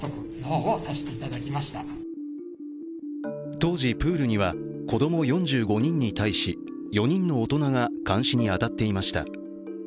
当時プールには子供４５人に対し、４人の大人が監視に当たっていました。